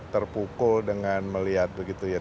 terpukul dengan melihat begitu ya